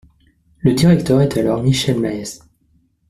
Le directeur est alors Michel Maës.